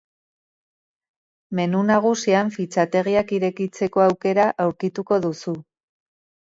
Menu nagusian fitxategiak irekitzeko aukera aurkituko duzu.